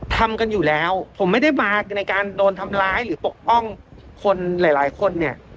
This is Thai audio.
ทำกันอยู่แล้วผมไม่ได้มาในการโดนทำร้ายหรือปกป้องคนหลายหลายคนเนี่ย